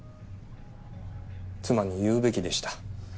妻に言うべきでした。